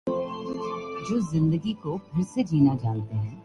سیاسی سوچ رکھنے والا ناممکن کی جستجو میں رہتا ہے۔